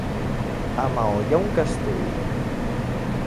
A Maó hi ha un castell?